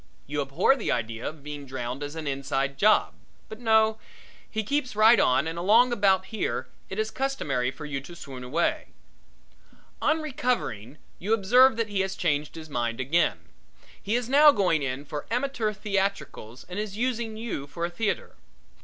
You abhor the idea of being drowned as an inside job. But no, he keeps right on and along about here it is customary for you to swoon away. On recovering, you observe that he has changed his mind again. He is now going in for amateur theatricals and is using you for a theatre.